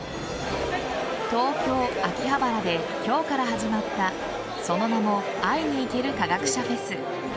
東京・秋葉原で今日から始まったその名も会いに行ける科学者フェス。